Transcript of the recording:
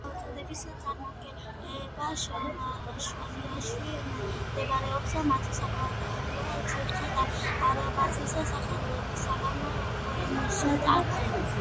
სახელწოდება წარმოდგება შვაბიაში მდებარე მათი საგვარეულო ციხე-დარბაზის სახელისაგან „ჰოენშტაუფენი“.